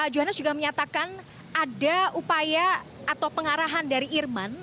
johannes juga menyatakan ada upaya atau pengarahan dari irman